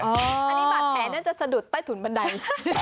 อันนี้บาดแผลน่าจะสะดุดใต้ถุนบันได